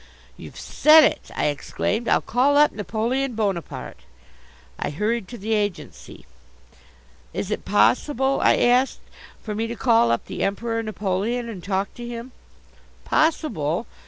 "You've said it!" I exclaimed. "I'll call up Napoleon Bonaparte." I hurried to the agency. "Is it possible," I asked, "for me to call up the Emperor Napoleon and talk to him?" Possible?